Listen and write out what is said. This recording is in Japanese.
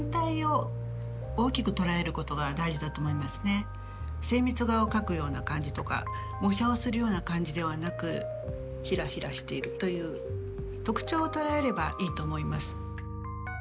ポイントは精密画を描くような感じとか模写をするような感じではなくひらひらしているという特徴を捉えればいいと思います。